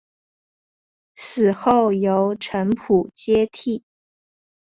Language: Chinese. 死后由程普接替。